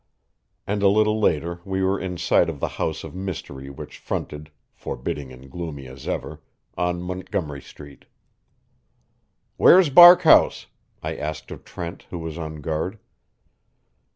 And a little later we were in sight of the house of mystery which fronted, forbidding and gloomy as ever, on Montgomery Street. "Where's Barkhouse?" I asked of Trent, who was on guard.